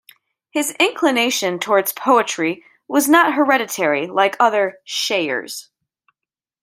His inclination towards poetry was not hereditary like other "shayars".